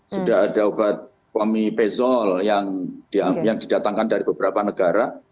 sudah ada obat pomipezol yang didatangkan dari beberapa negara